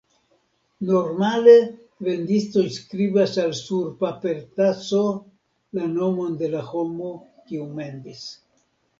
Normale vendistoj skribas al sur papertaso la nomon de la homo, kiu mendis.